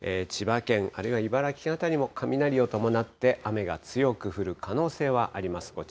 千葉県、あるいは茨城県辺りも雷を伴って雨が強く降る可能性はあります。